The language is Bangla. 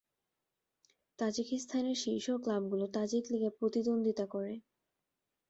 তাজিকিস্তানের শীর্ষ ক্লাবগুলো তাজিক লীগে প্রতিদ্বন্দ্বিতা করে।